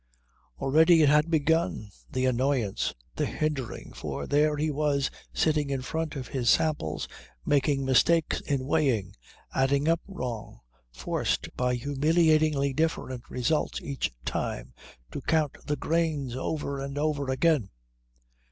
Already it had begun, the annoyance, the hindering, for here he was sitting in front of his samples making mistakes in weighing, adding up wrong, forced by humiliatingly different results each time to count the grains over and over again.